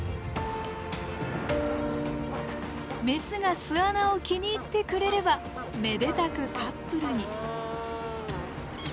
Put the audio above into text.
メスが巣穴を気に入ってくれればめでたくカップルに。